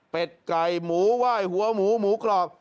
เป็นไก่หมูไหว้หัวหมูหมูกรอบ